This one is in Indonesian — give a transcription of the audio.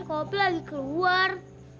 kak opi lagi keluar